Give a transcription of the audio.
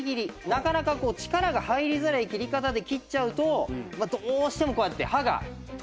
なかなかこう力が入りづらい切り方で切っちゃうとどうしてもこうやって刃が止まっちゃうんですよね。